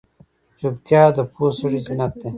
چوپتیا، د پوه سړي زینت دی.